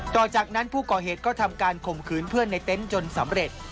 ต่อจากนั้นผู้ก่อเหตุก็ทำการข่มขืนเพื่อนในเต็นต์จนสำเร็จ